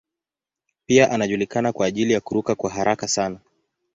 Pia anajulikana kwa ajili ya kuruka kwa haraka sana.